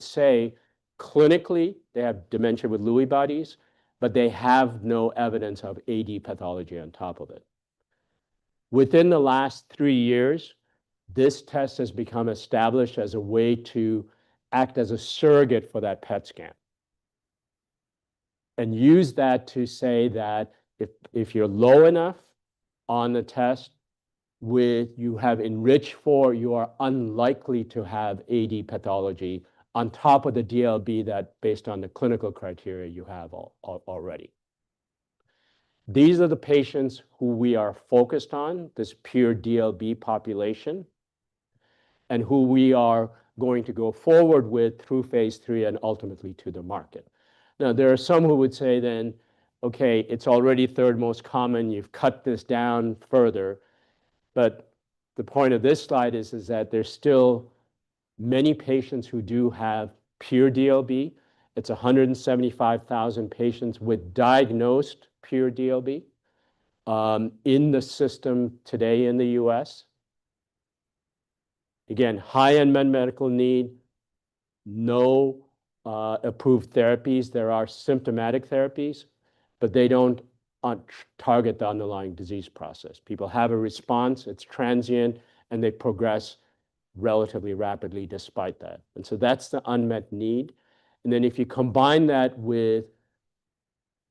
Say clinically they have dementia with Lewy bodies, but they have no evidence of AD pathology on top of it. Within the last three years, this test has become established as a way to act as a surrogate for that PET scan and use that to say that if you're low enough on the test, you have enriched for, you are unlikely to have AD pathology on top of the DLB that, based on the clinical criteria you have already. These are the patients who we are focused on, this pure DLB population, and who we are going to go forward with through phase III and ultimately to the market. Now, there are some who would say then, okay, it's already third most common, you've cut this down further. But the point of this slide is that there's still many patients who do have pure DLB.It's 175,000 patients with diagnosed pure DLB in the system today in the U.S. Again, high unmet medical need, no approved therapies. There are symptomatic therapies, but they don't target the underlying disease process. People have a response, it's transient, and they progress relatively rapidly despite that, and so that's the unmet need, and then if you combine that with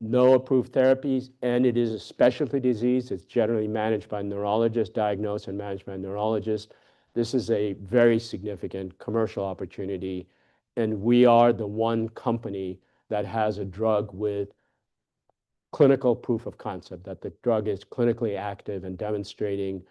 no approved therapies and it is a specialty disease, it's generally managed by neurologists, diagnosed and managed by neurologists, this is a very significant commercial opportunity, and we are the one company that has a drug with clinical proof of concept. That the drug is clinically active and demonstrating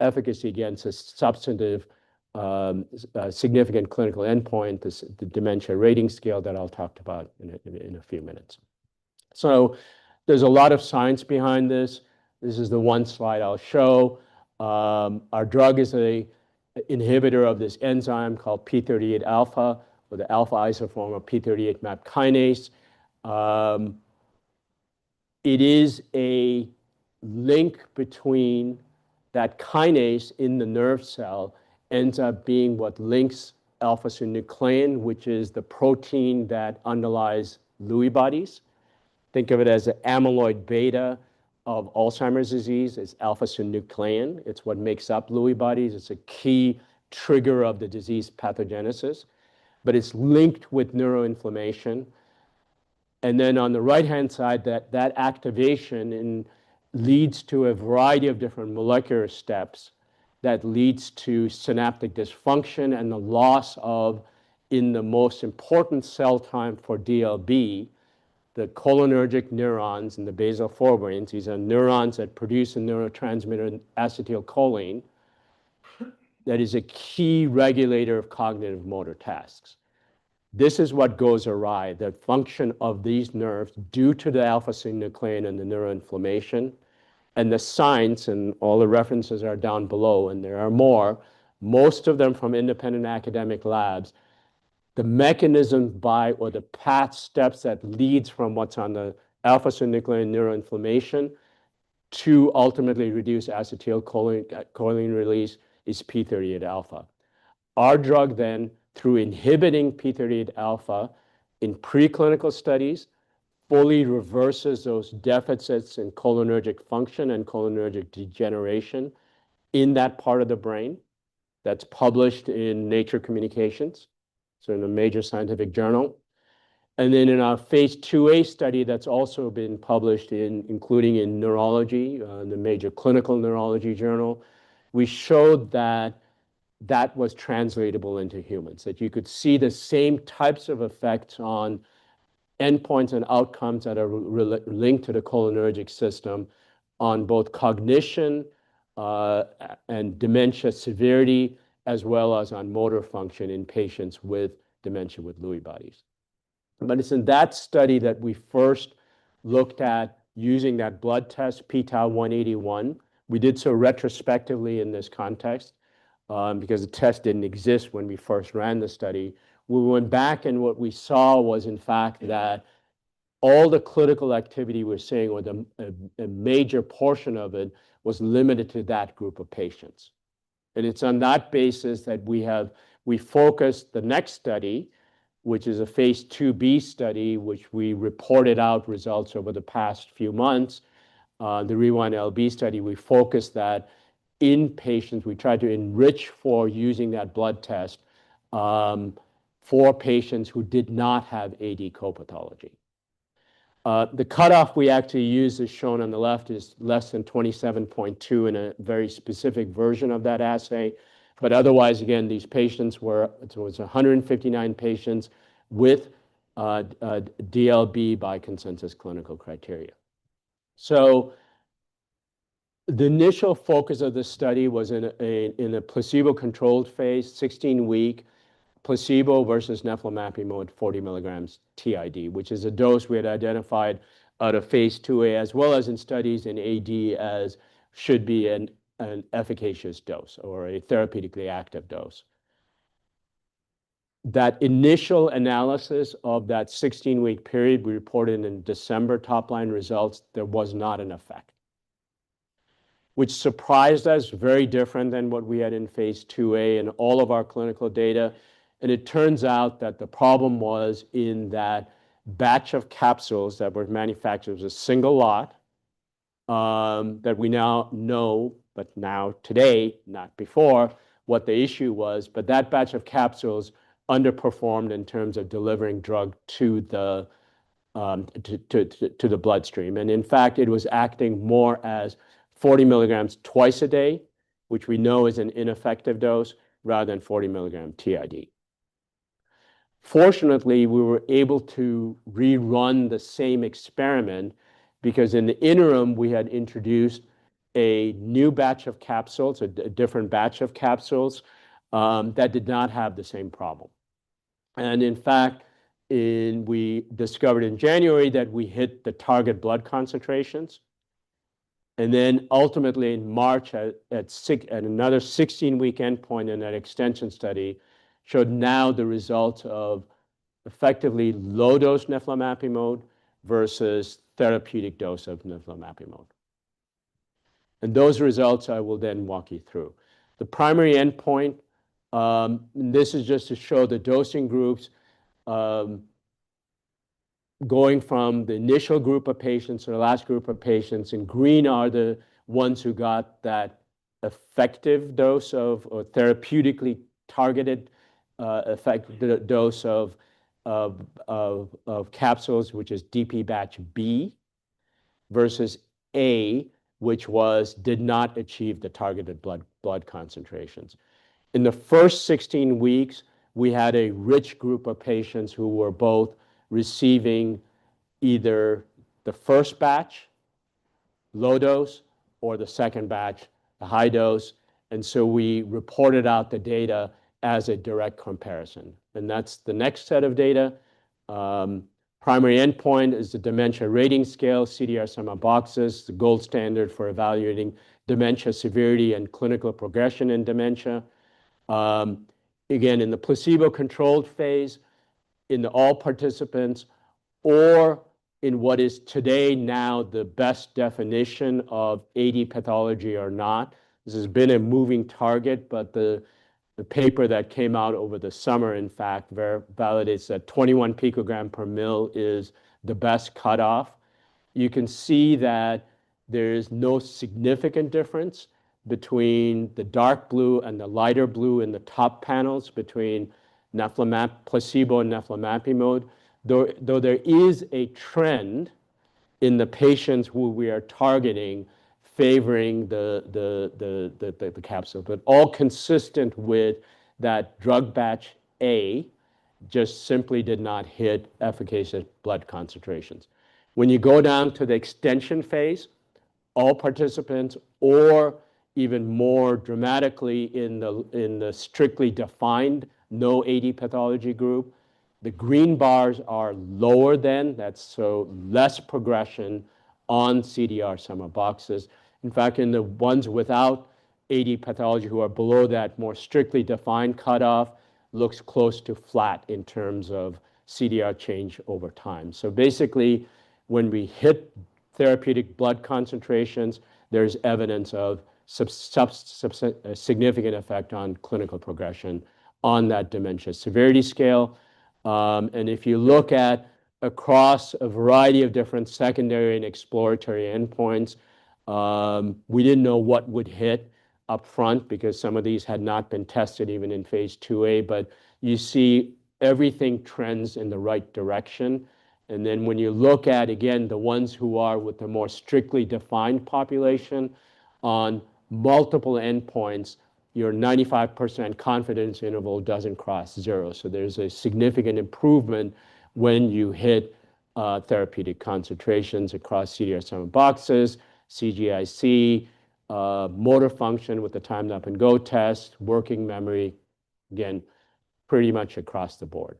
efficacy against a substantive, significant clinical endpoint, the Dementia Rating Scale that I'll talk about in a few minutes, so there's a lot of science behind this. This is the one slide I'll show. Our drug is an inhibitor of this enzyme called p38 alpha, or the alpha isoform of p38 MAP kinase. It is a link between that kinase in the nerve cell ends up being what links alpha-synuclein, which is the protein that underlies Lewy bodies. Think of it as an amyloid beta of Alzheimer's disease. It's alpha-synuclein. It's what makes up Lewy bodies. It's a key trigger of the disease pathogenesis, but it's linked with neuroinflammation. And then on the right-hand side, that activation leads to a variety of different molecular steps that leads to synaptic dysfunction and the loss of, in the most important cell type for DLB, the cholinergic neurons in the basal forebrain. These are neurons that produce a neurotransmitter, acetylcholine, that is a key regulator of cognitive motor tasks. This is what goes awry, the function of these nerves due to the alpha-synuclein and the neuroinflammation. The science and all the references are down below, and there are more, most of them from independent academic labs. The mechanism by, or the path steps that leads from what's on the Alpha-synuclein neuroinflammation to ultimately reduce acetylcholine release is p38 alpha. Our drug then, through inhibiting p38 alpha in preclinical studies, fully reverses those deficits in cholinergic function and cholinergic degeneration in that part of the brain. That's published in Nature Communications, so in a major scientific journal. In our phase 2a study that's also been published, including in Neurology, the major clinical neurology journal, we showed that that was translatable into humans, that you could see the same types of effects on endpoints and outcomes that are linked to the cholinergic system on both cognition and dementia severity, as well as on motor function in patients with dementia with Lewy bodies. But it's in that study that we first looked at using that blood test, p-tau181. We did so retrospectively in this context because the test didn't exist when we first ran the study. We went back and what we saw was, in fact, that all the clinical activity we're seeing, or a major portion of it, was limited to that group of patients. And it's on that basis that we have, we focused the next study, which is a phase 2b study, which we reported out results over the past few months, the AscenD-LB study. We focused that in patients, we tried to enrich for using that blood test for patients who did not have AD co-pathology. The cutoff we actually used is shown on the left is less than 27.2 in a very specific version of that assay. But otherwise, again, these patients were. It was 159 patients with DLB by consensus clinical criteria. So the initial focus of the study was in a placebo-controlled phase, 16-week placebo versus neflamapimod, 40 milligrams t.i.d., which is a dose we had identified out of phase II A, as well as in studies in AD as should be an efficacious dose or a therapeutically active dose. That initial analysis of that 16-week period we reported in December top-line results. There was not an effect, which surprised us, very different than what we had in phase 2A and all of our clinical data. It turns out that the problem was in that batch of capsules that were manufactured as a single lot that we now know, but now today, not before, what the issue was, but that batch of capsules underperformed in terms of delivering drug to the bloodstream. In fact, it was acting more as 40 mg twice a day, which we know is an ineffective dose rather than 40 mg t.i.d. Fortunately, we were able to rerun the same experiment because in the interim, we had introduced a new batch of capsules, a different batch of capsules that did not have the same problem. In fact, we discovered in January that we hit the target blood concentrations. Then ultimately in March, at another 16-week endpoint in that extension study, showed now the results of effectively low-dose neflamapimod versus therapeutic dose of neflamapimod. Those results, I will then walk you through. The primary endpoint, and this is just to show the dosing groups going from the initial group of patients or the last group of patients, and green are the ones who got that effective dose of, or therapeutically targeted effective dose of capsules, which is DP batch B versus A. Which did not achieve the targeted blood concentrations. In the first 16 weeks, we had a rich group of patients who were both receiving either the first batch, low dose, or the second batch, the high dose. And so we reported out the data as a direct comparison. And that's the next set of data. Primary endpoint is the dementia rating scale, CDR Sum of Boxes, the gold standard for evaluating dementia severity and clinical progression in dementia. Again, in the placebo-controlled phase, in all participants, or in what is today now the best definition of AD pathology or not. This has been a moving target, but the paper that came out over the summer, in fact, validates that 21 picogram per mL is the best cutoff. You can see that there is no significant difference between the dark blue and the lighter blue in the top panels between placebo and neflamapimod. Though there is a trend in the patients who we are targeting favoring the capsule, but all consistent with that drug batch A just simply did not hit efficacious blood concentrations. When you go down to the extension phase, all participants, or even more dramatically in the strictly defined no AD pathology group, the green bars are lower than. That's so less progression on CDR Sum of Boxes. In fact, in the ones without AD pathology who are below that, more strictly defined cutoff looks close to flat in terms of CDR change over time. So basically, when we hit therapeutic blood concentrations, there's evidence of significant effect on clinical progression on that dementia severity scale. And if you look at across a variety of different secondary and exploratory endpoints, we didn't know what would hit upfront because some of these had not been tested even in phase II A. But you see everything trends in the right direction. And then when you look at, again, the ones who are with the more strictly defined population on multiple endpoints, your 95% confidence interval doesn't cross zero. So there's a significant improvement when you hit therapeutic concentrations across CDR Sum of Boxes, CGIC, motor function with the Timed Up and Go test, working memory, again, pretty much across the board.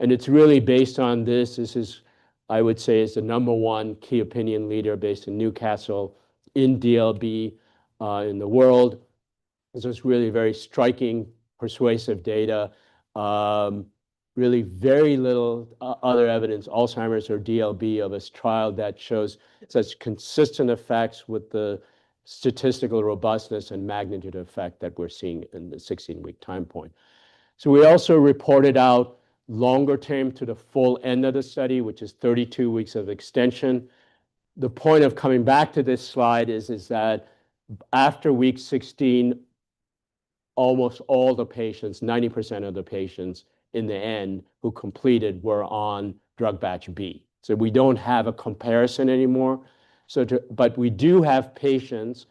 And it's really based on this. This is, I would say, is the number one key opinion leader based in Newcastle in DLB in the world. This was really very striking, persuasive data, really very little other evidence, Alzheimer's or DLB of a trial that shows such consistent effects with the statistical robustness and magnitude effect that we're seeing in the 16-week time point. So we also reported out longer term to the full end of the study, which is 32 weeks of extension. The point of coming back to this slide is that after week 16, almost all the patients, 90% of the patients in the end who completed were on drug batch B. So we don't have a comparison anymore. But we do have patients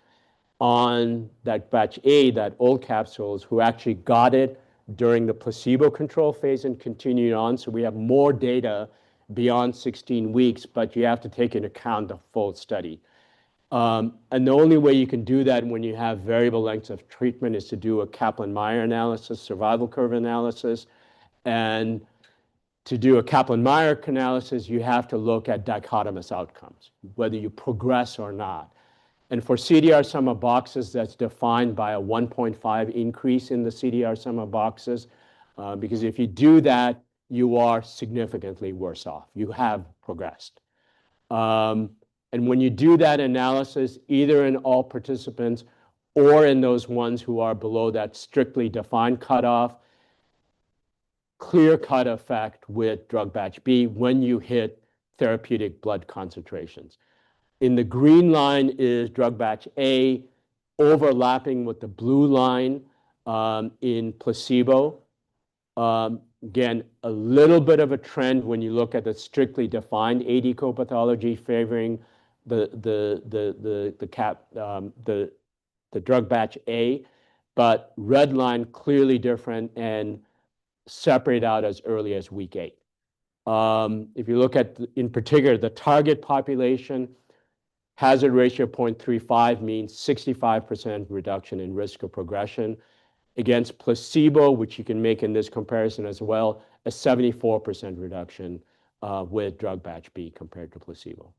on that batch A, that old capsules who actually got it during the placebo control phase and continued on. So we have more data beyond 16 weeks, but you have to take into account the full study. And the only way you can do that when you have variable lengths of treatment is to do a Kaplan-Meier analysis, survival curve analysis. And to do a Kaplan-Meier analysis, you have to look at dichotomous outcomes, whether you progress or not. And for CDR Sum of Boxes, that's defined by a 1.5 increase in the CDR Sum of Boxes, because if you do that, you are significantly worse off. You have progressed. And when you do that analysis, either in all participants or in those ones who are below that strictly defined cutoff, clear cutoff effect with drug batch B when you hit therapeutic blood concentrations. In the green line is drug batch A overlapping with the blue line in placebo. Again, a little bit of a trend when you look at the strictly defined AD co-pathology favoring the drug batch A, but red line clearly different and separate out as early as week eight. If you look at, in particular, the target population, hazard ratio 0.35 means 65% reduction in risk of progression against placebo, which you can make in this comparison as well, a 74% reduction with drug batch B compared to placebo.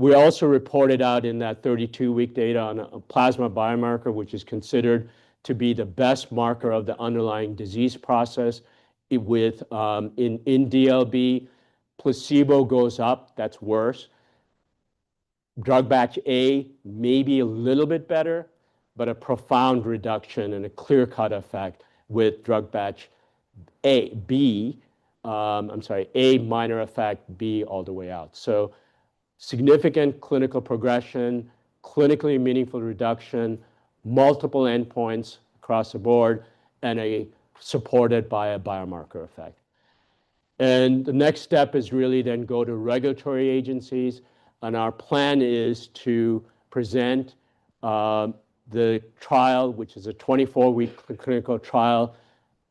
We also reported out in that 32-week data on a plasma biomarker, which is considered to be the best marker of the underlying disease process. In DLB, placebo goes up, that's worse. Drug batch A may be a little bit better, but a profound reduction and a clear cutoff effect with drug batch A, B, I'm sorry, A minor effect, B all the way out. So significant clinical progression, clinically meaningful reduction, multiple endpoints across the board, and supported by a biomarker effect. And the next step is really then go to regulatory agencies. And our plan is to present the trial, which is a 24-week clinical trial,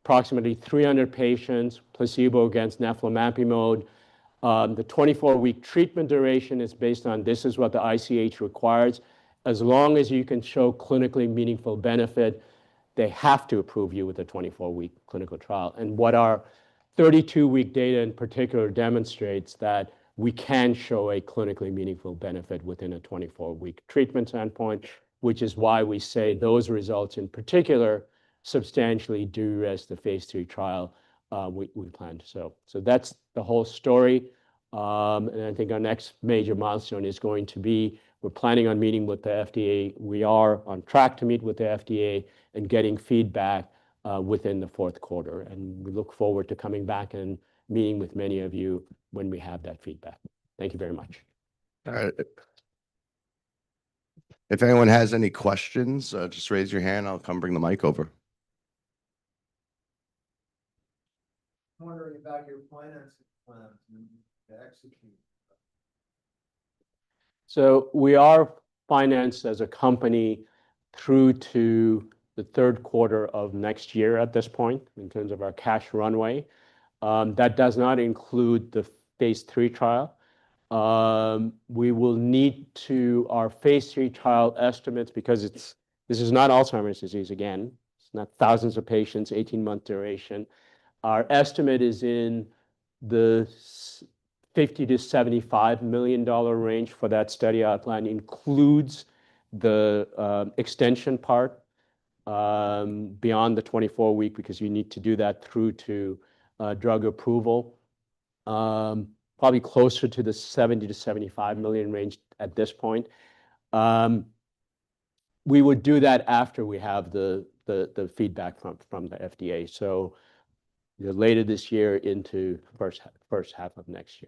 approximately 300 patients, placebo against neflamapimod. The 24-week treatment duration is based on, this is what the ICH requires. As long as you can show clinically meaningful benefit, they have to approve you with a 24-week clinical trial. And what our 32-week data in particular demonstrates is that we can show a clinically meaningful benefit within a 24-week treatment standpoint, which is why we say those results in particular substantially do as the phase III trial we planned. So that's the whole story. And I think our next major milestone is going to be, we're planning on meeting with the FDA. We are on track to meet with the FDA and getting feedback within the fourth quarter, and we look forward to coming back and meeting with many of you when we have that feedback. Thank you very much. If anyone has any questions, just raise your hand. I'll come bring the mic over. I'm wondering about your financing plan to execute, So we are financed as a company through to the third quarter of next year at this point in terms of our cash runway. That does not include the phase III trial. We will need to, our phase III trial estimates, because this is not Alzheimer's disease again, it's not thousands of patients, 18-month duration. Our estimate is in the $50 million-$75 million range for that study outline, includes the extension part beyond the 24-week because you need to do that through to drug approval, probably closer to the $70million-$75 million range at this point. We would do that after we have the feedback from the FDA. So later this year into first half of next.